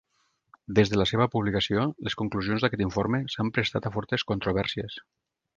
Des de la seva publicació, les conclusions d'aquest informe s'han prestat a fortes controvèrsies.